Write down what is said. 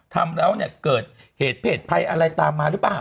ทำแล้วเนี่ยเกิดเหตุเพจภัยอะไรตามมาหรือเปล่า